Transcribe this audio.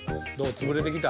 つぶれてきた？